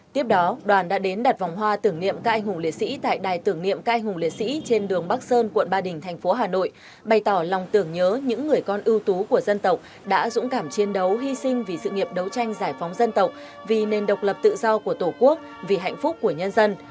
tiếp đó đoàn đã đến đặt vòng hoa tưởng niệm các anh hùng liệt sĩ tại đài tưởng niệm các anh hùng liệt sĩ trên đường bắc sơn quận ba đình thành phố hà nội bày tỏ lòng tưởng nhớ những người con ưu tú của dân tộc đã dũng cảm chiến đấu hy sinh vì sự nghiệp đấu tranh giải phóng dân tộc vì nền độc lập tự do của tổ quốc vì hạnh phúc của nhân dân